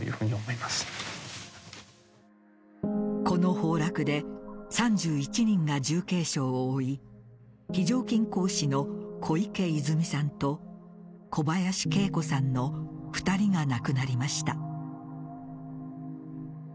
この崩落で３１人が重軽傷を負い非常勤講師の小池いづみさんと小林桂子さんの２人が亡くなりました。